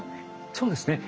そうですね。